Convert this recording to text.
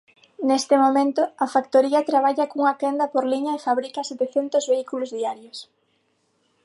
Neste momento a factoría traballa cunha quenda por liña e fabrica setecentos vehículos diarios.